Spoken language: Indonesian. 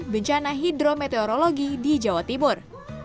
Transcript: bencana hidrometeorologi di jawa timur